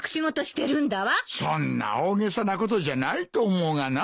そんな大げさなことじゃないと思うがな。